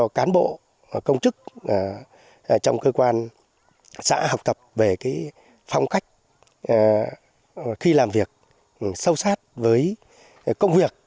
cán bộ công chức trong cơ quan xã học tập về phong cách khi làm việc sâu sát với công việc